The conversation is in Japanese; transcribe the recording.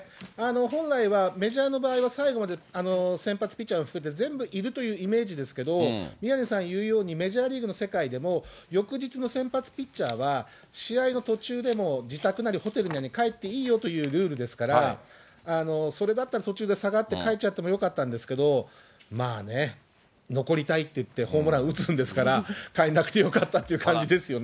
本来はメジャーの場合は最後まで先発ピッチャーを含めて全部いるというイメージですけど、宮根さん言うように、メジャーリーグの世界でも、翌日の先発ピッチャーは、試合の途中でも自宅なりホテルなりに帰っていいよというルールですから、それだったら途中で下がって帰っちゃってもよかったんですけど、まあね、残りたいって言って、ホームラン打つんですから、帰んなくてよかったっていう感じですよね。